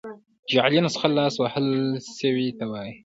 جعلي نسخه لاس وهل سوي ته وايي.